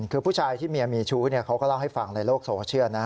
คือผู้ชายที่เมียมีชู้เขาก็เล่าให้ฟังในโลกโซเชียลนะ